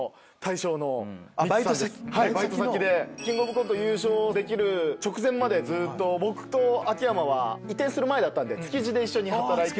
『キングオブコント』優勝できる直前までずっと僕と秋山は移転する前で築地で働いてて。